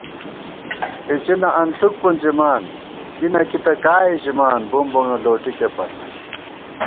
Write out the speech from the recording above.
اِڅِنہ انݪُک پُنزِمان کی نہ کی تہ کائے ژِمان بُمبُمہ لوٹِکےپت